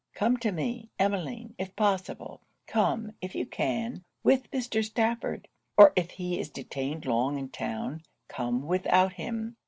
'Come to me, Emmeline, if possible; come, if you can, with Mr. Stafford; or if he is detained long in town, come without him.